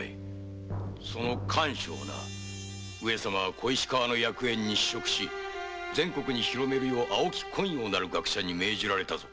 その甘藷をな上様は小石川薬園に試植し全国に広めるよう青木昆陽なる学者に命じられたぞ。